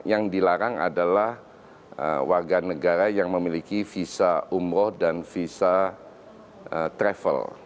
yang dilarang adalah warga negara yang memiliki visa umroh dan visa travel